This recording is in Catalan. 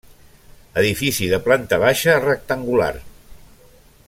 Edifici de planta baixa rectangular.